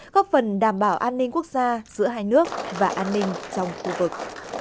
góp phần đảm bảo an ninh quốc gia giữa hai nước và an ninh trong khu vực